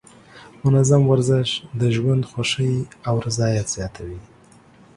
منظم ورزش د ژوند خوښۍ او رضایت زیاتوي.